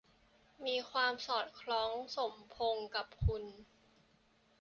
มีความสอดคล้องสมพงศ์กับคุณ